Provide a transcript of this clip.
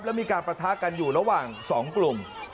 แล้วมีการประทะกันอยู่ระหว่าง๒กลุ่ม